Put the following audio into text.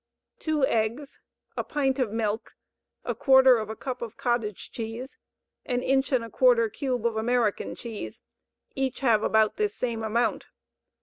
Two eggs, a pint of milk, a quarter of a cup of cottage cheese, an inch and a quarter cube of American cheese, each have about this same amount.